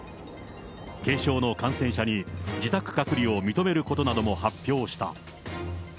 軽症の感染者に自宅隔離を認めることなども発表した。